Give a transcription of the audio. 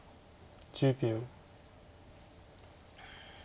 １０秒。